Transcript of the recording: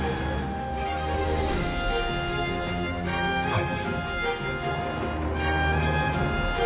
はい。